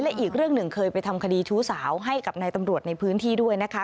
และอีกเรื่องหนึ่งเคยไปทำคดีชู้สาวให้กับนายตำรวจในพื้นที่ด้วยนะคะ